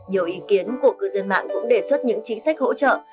nhiều ý kiến của cư dân mạng cũng đề xuất những chính sách hỗ trợ